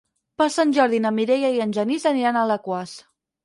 Per Sant Jordi na Mireia i en Genís aniran a Alaquàs.